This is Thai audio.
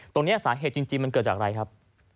สาเหตุจริงมันเกิดจากอะไรครับ